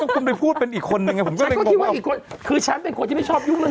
ต้องไปพูดเป็นอีกคนนึงไง